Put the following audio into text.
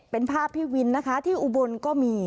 เป็นภาพพี่วินนะคะที่อุบลก็มี